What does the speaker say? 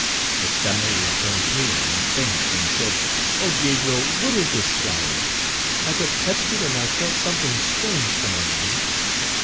but Carmeille turned pale and faint and said, "Oh, Gabriel what is this flower? I but touched it and I felt something strange come over me.